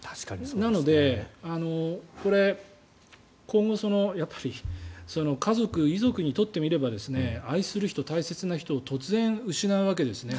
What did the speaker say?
なので、今後家族、遺族にとってみれば愛する人、大切な人を突然、失うわけですね。